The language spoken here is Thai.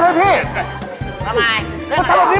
เป็นเรื่องดีมึงกัดทำไมวะ